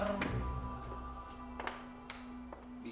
mungkin juga tiga miliar